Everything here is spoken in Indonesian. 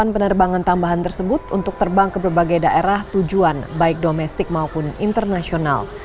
lima ratus enam puluh delapan penerbangan tambahan tersebut untuk terbang ke berbagai daerah tujuan baik domestik maupun internasional